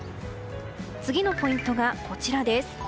次のポイントがこちらです。